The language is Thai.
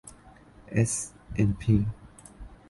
เอสแอนด์พี